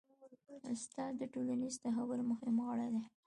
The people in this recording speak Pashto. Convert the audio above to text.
استاد د ټولنیز تحول مهم غړی دی.